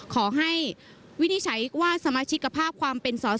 ขอให้วินิจฉัยว่าสมาชิกภาพความเป็นสอสอ